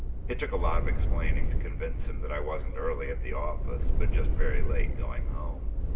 It took a lot of explaining to convince him that I wasn't early at the office but just very late going home.